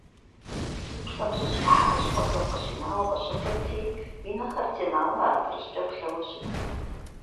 И псэм щыщ Ӏыхьэ а щӀыпӀэхэм къыщинауэ къыщыхъурти, и нэхэр тенауэ адрыщӀкӀэ плъэуэ щытт.